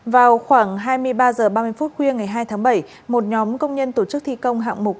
vào khoảng hai mươi ba h ba mươi phút khuya ngày hai tháng bảy một nhóm công nhân tổ chức thi công hạng mục